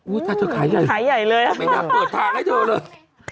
อุ๊ยถ้าเธอขายเลยไม่ได้เปิดภาคให้เธอเลย